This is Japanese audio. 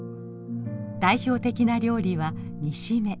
代表的な料理は煮しめ。